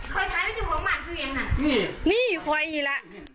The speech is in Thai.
บ้านคอยท้ายไปถึงของหม่านซื้ออย่างนั้นนี่นี่คอยอีกแล้วของหม่านเขา